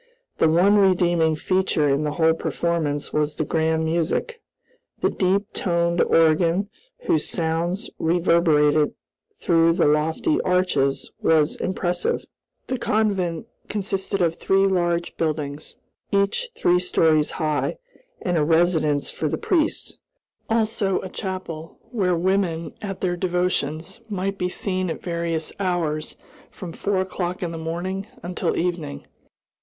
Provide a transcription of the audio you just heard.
The one redeeming feature in the whole performance was the grand music. The deep toned organ, whose sounds reverberated through the lofty arches, was very impressive. The convent consisted of three large buildings, each three stories high, and a residence for the priests; also a chapel, where women, at their devotions, might be seen at various hours from four o'clock in the morning until evening.